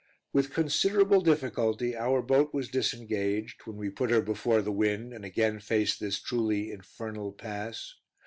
With considerable difficulty our boat was disengaged, when we put her before the wind and again faced this truly infernal pass.